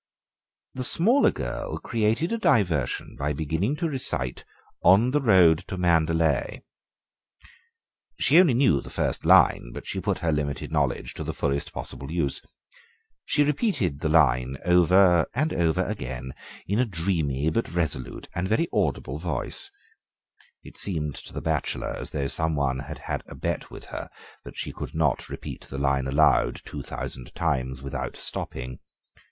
The smaller girl created a diversion by beginning to recite "On the Road to Mandalay." She only knew the first line, but she put her limited knowledge to the fullest possible use. She repeated the line over and over again in a dreamy but resolute and very audible voice; it seemed to the bachelor as though some one had had a bet with her that she could not repeat the line aloud two thousand times without stopping.